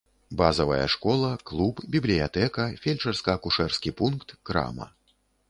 Базавая школа, клуб, бібліятэка, фельчарска-акушэрскі пункт, крама.